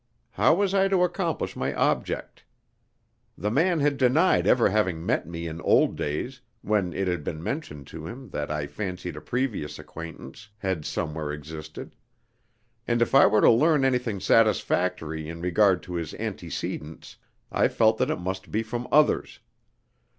How was I to accomplish my object? The man had denied ever having met me in old days when it had been mentioned to him that I fancied a previous acquaintance had somewhere existed; and if I were to learn anything satisfactory in regard to his antecedents I felt that it must be from others.